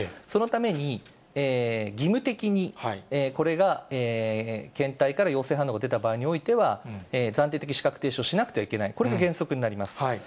そのために、義務的に、これが検体から陽性反応が出た場合においては、暫定的資格停止をしなくてはいけない、これが原則になります。